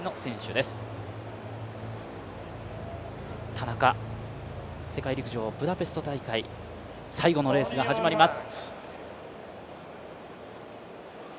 田中、世界陸上ブダペスト大会、最後のレースが始まります。